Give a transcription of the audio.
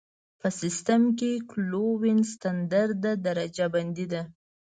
په سیسټم کې کلوین ستندرده درجه بندي ده.